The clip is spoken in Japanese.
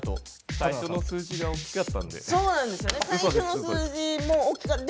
最初の数字が大きかったので。